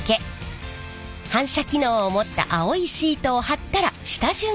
反射機能を持った青いシートを貼ったら下準備は完了。